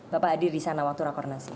bapak adi rizana waktu rakyat kornasi